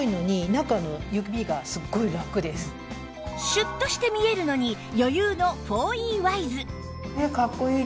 シュッとして見えるのに余裕の ４Ｅ ワイズ